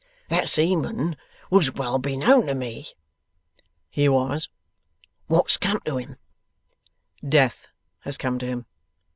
'That seaman was well beknown to me.' 'He was.' 'What's come to him?' 'Death has come to him.